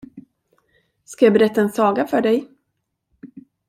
Ska jag berätta en saga för dig?